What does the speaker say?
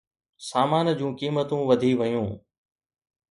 سامان جون قيمتون وڌي ويون